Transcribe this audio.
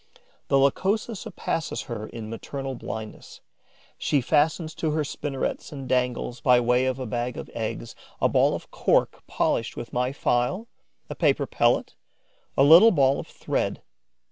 The Lycosa surpasses her in maternal blindness. She fastens to her spinnerets and dangles, by way of a bag of eggs, a ball of cork polished with my file, a paper pellet, a little ball of thread.